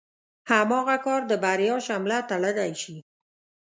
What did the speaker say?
هماغه کار د بريا شمله تړلی شي.